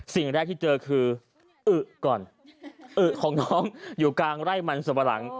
สิ่งแรกที่เจอคืออึก่อนอึของน้องอยู่กลางไร่มันสับปะหลัง